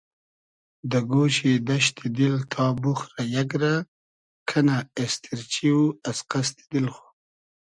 دۂ گۉشی دئشتی دیل تا بوخرۂ یئگ رۂ کئنۂ اېستیرچی او از قئستی دیل خو